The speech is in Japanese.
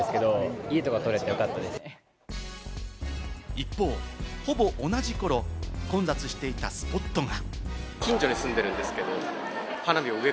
一方、ほぼ同じ頃、混雑していたスポットが。